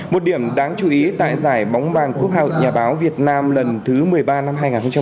một điểm đáng chú ý tại giải bóng bàn quốc hội nhà báo việt nam lần thứ một mươi ba năm hai nghìn một mươi chín